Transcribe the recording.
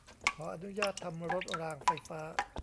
ขออนุญาตทำรถรางไฟฟ้า